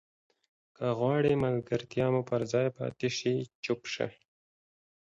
که غواړې ملګرتیا مو پر ځای پاتې شي چوپ شه.